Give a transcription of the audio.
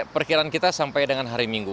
perkiraan kita sampai dengan hari minggu